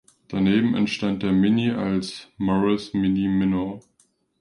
Daneben entstand der Mini als Morris Mini Minor.